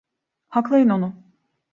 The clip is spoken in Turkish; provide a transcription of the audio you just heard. Haklayın onu!